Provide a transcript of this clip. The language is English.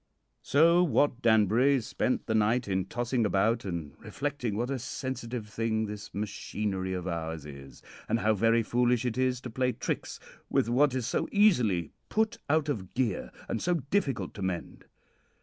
"So Wat Danbury spent the night in tossing about and reflecting what a sensitive thing this machinery of ours is, and how very foolish it is to play tricks with what is so easily put out of gear and so difficult to mend.